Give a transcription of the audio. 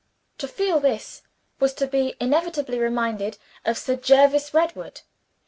To feel this was to be inevitably reminded of Sir Jervis Redwood.